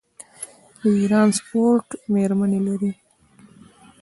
د ایران سپورټ میرمنې لري.